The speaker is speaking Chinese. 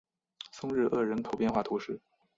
松日厄人口变化图示